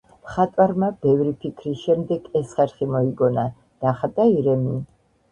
მხატვარმა ბევრი ფიქრის შემდეგ ეს ხერხი მოიგონა: დახატა ირემი,